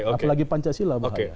apalagi pancasila bahkan